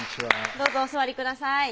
どうぞお座りください